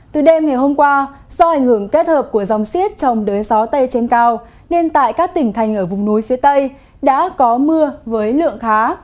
từ đêm ngày hôm qua do ảnh hưởng kết hợp của dòng siết trong đới gió tây trên cao nên tại các tỉnh thành ở vùng núi phía tây đã có mưa với lượng khá